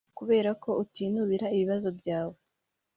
kuberako utinubira ibibazo byawe.